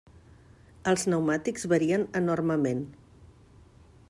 Els pneumàtics varien enormement.